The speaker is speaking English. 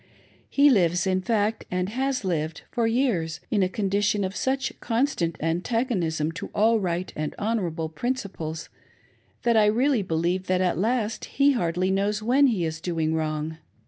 He lives, in fact, and has lived, for years, in a condition of such constant antagonism to all right and honorable prin ciples, that I really believe that at last he hardly knows ^vheft he is doing wrong.